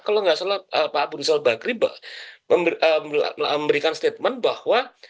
kalau tidak salah pak abu nusal bagriba memberikan statement bahwa